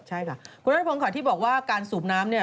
ใช่ค่ะคุณนัทพงศ์ค่ะที่บอกว่าการสูบน้ำเนี่ย